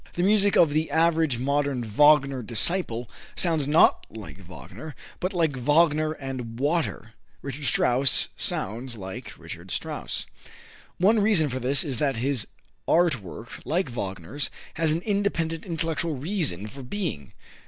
The music of the average modern Wagner disciple sounds not like Wagner, but like Wagner and water. Richard Strauss sounds like Richard Strauss. One reason for this is that his art work, like Wagner's, has an independent intellectual reason for being.